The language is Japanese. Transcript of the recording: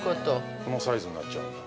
◆このサイズになっちゃう。